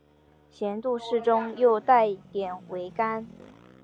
咸度适中又带点微甘